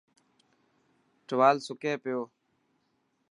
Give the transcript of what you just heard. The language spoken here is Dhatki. ٽوال سڪي پيو.